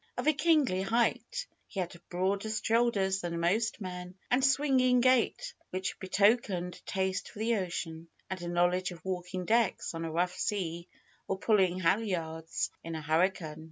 Of a kingly height, he had broader shoulders than most men, and a swinging gait which betokened a taste for the ocean, and a knowledge of walking decks on a rough sea or pulling halyards in a hurricane.